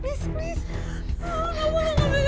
kisi malam mainnya